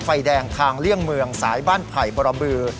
ไฟแดงทางเลี่ยงเมืองสายบ้านไผ่บรบือ